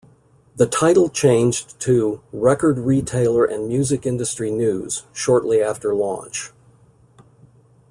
The title changed to "Record Retailer and Music Industry News" shortly after launch.